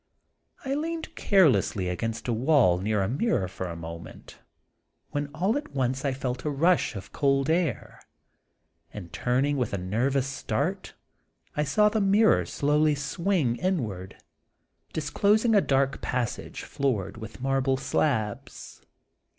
I leaned carelessly against the wall near a mirror, for a moment, when all at once I felt a rush of cold air, and turning with a nervous start I saw the mirror slowly swing in ward, disclosing a dark passage floored with marble slabs.